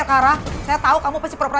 aku bantu sendiri